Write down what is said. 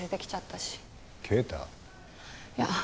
いや。